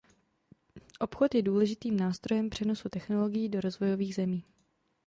Obchod je důležitým nástrojem přenosu technologií do rozvojových zemí.